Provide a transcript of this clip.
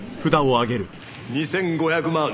２５００万。